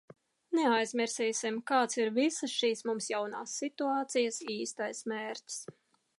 Neaizmirsīsim, kāds ir visas šīs mums jaunās situācijas īstais mērķis.